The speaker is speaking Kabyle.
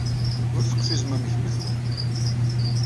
Ur teqfizem am gma-twen.